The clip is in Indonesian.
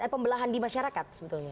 eh pembelahan di masyarakat